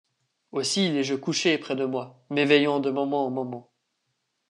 Aussi l’ai-je couché près de moi, m’éveillant de moment en moment.